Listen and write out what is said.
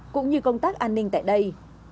cũng như công tác an ninh tại đây